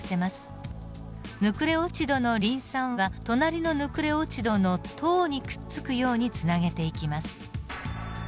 ヌクレオチドのリン酸は隣のヌクレオチドの糖にくっつくようにつなげていきます。